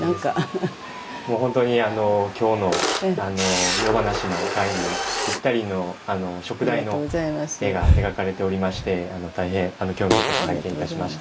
もう本当に今日の夜咄の会にぴったりの燭台の絵が描かれておりまして大変興味深く拝見いたしました。